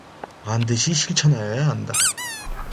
반드시 실천하여야 한다.